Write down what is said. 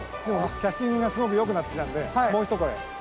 でもキャスティングがすごくよくなってきたんでもうひと越え。